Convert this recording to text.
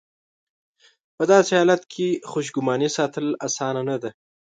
په داسې حالت کې خوشګماني ساتل اسانه نه ده.